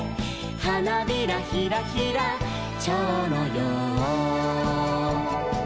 「花びらひらひら蝶のよう」